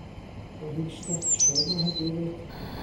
Ma hi'n sgortshar 'ma heddiw fyd.